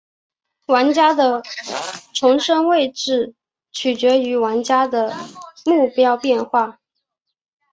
玩家的重生位置取决于玩家的目标变化。